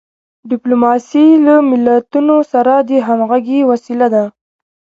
ډیپلوماسي له ملتونو سره د همږغی وسیله ده.